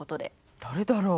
誰だろう？